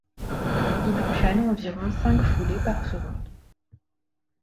Il enchaîne environ cinq foulées par seconde.